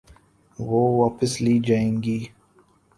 وہ واپس لی جائیں گی۔